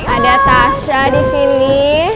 ada tasya disini